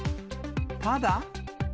ただ。